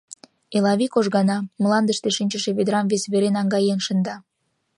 Элавий кожгана, мландыште шинчыше ведрам вес вере наҥгаен шында.